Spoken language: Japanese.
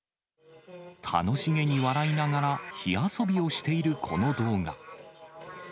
楽しげに笑いながら、火遊びをしているこの動画。